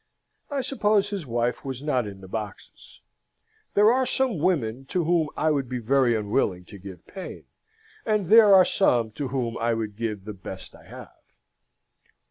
I suppose his wife was not in the boxes. There are some women to whom I would be very unwilling to give pain, and there are some to whom I would give the best I have.'"